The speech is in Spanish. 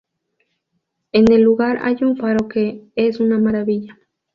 En el lugar hay un faro que ¡es una maravilla!